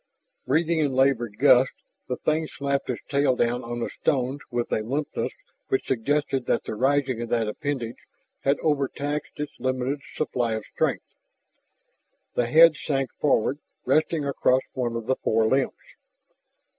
Breathing in labored gusts, the thing slapped its tail down on the stones with a limpness which suggested that the raising of that appendage had overtaxed its limited supply of strength. The head sank forward, resting across one of the forelimbs.